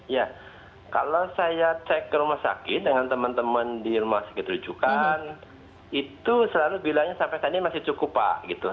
ya kalau saya cek ke rumah sakit dengan teman teman di rumah sakit rujukan itu selalu bilangnya sampai saat ini masih cukup pak gitu